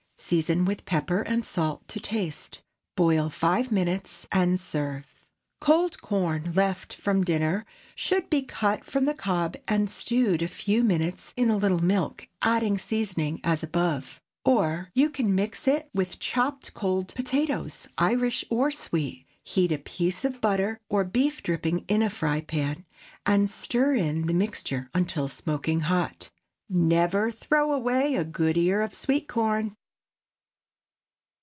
Season with pepper and salt to taste. Boil five minutes, and serve. Cold corn left from dinner should be cut from the cob and stewed a few minutes in a little milk, adding seasoning as above. Or, you can mix it with chopped cold potatoes—Irish or sweet; heat a piece of butter or beef dripping in a frying pan, and stir in the mixture until smoking hot. Never throw away a good ear of sweet corn.